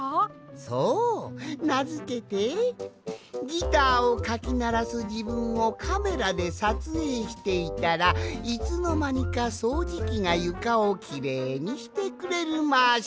そうなづけて「ギターをかきならすじぶんをカメラでさつえいしていたらいつのまにかそうじきがゆかをきれいにしてくれるマシーン」じゃ！